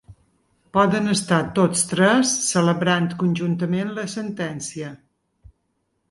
Poden estar tots tres celebrant conjuntament la sentència.